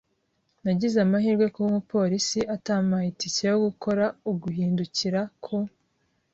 Nagize amahirwe kuba umupolisi atampaye itike yo gukora U-guhindukira ku